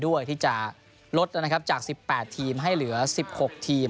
ด้วยที่จะลดนะครับจาก๑๘ทีมให้เหลือ๑๖ทีม